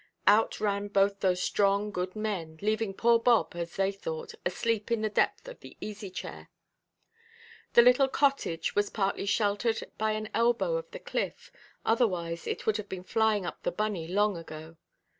Out ran both those strong good men, leaving poor Bob (as they thought) asleep in the depth of the easy–chair. The little cottage was partly sheltered by an elbow of the cliff; otherwise it would have been flying up the bunney long ago.